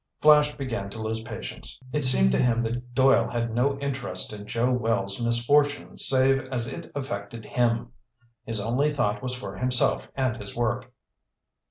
Flash began to lose patience. It seemed to him that Doyle had no interest in Joe Wells' misfortune save as it affected him. His only thought was for himself and his work.